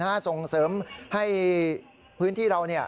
น่าจะต้องเสริมให้พื้นที่เราเนี่ย